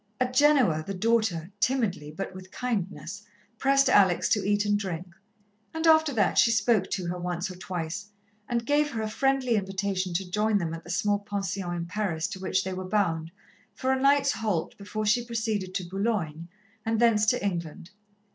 At Genoa the daughter, timidly, but with kindness, pressed Alex to eat and drink, and after that she spoke to her once or twice, and gave her a friendly invitation to join them at the small pension in Paris to which they were bound, for a night's halt before she proceeded to Boulogne and thence to England.